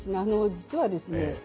実はですね